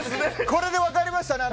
これで分かりましたね。